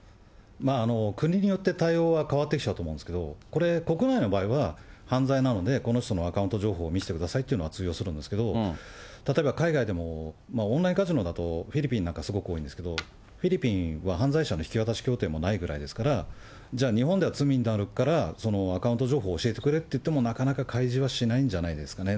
国によって、対応は変わってきちゃうと思うんですけども、これ、国内の場合は、犯罪なので、この人のアカウント情報を見せてくださいというのは通用するんですけども、例えば海外でも、オンラインカジノだと、フィリピンなんか、すごく多いんですけれども、フィリピンは犯罪者の引き渡し協定もないぐらいですから、じゃあ、日本では罪になるから、アカウント情報を教えてくれっていっても、なかなか開示はしないんじゃないですかね。